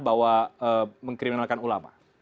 bahwa mengkriminalisasi ulama